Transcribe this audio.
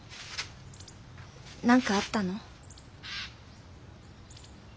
何かあったの？